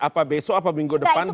apa besok apa minggu depan